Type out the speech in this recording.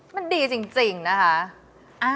มันดีจริงนะคะ